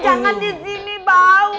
jangan di sini bau